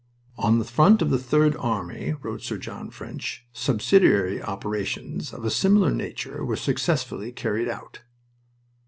"On the front of the Third Army," wrote Sir John French, "subsidiary operations of a similar nature were successfully carried out."